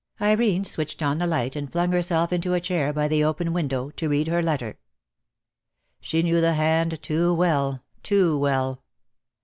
■•:"..:. Irene switched on the light and flung herself into a chair by the open window to read her letter. She knew the hand, too well, too well.